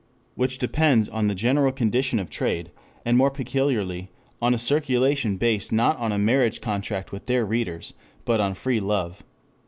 ] which depends on the general condition of trade, and more peculiarly on a circulation based not on a marriage contract with their readers, but on free love.